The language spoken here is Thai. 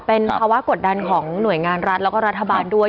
เป็นภาวะกดดันของหน่วยงานรัฐแล้วก็รัฐบาลด้วย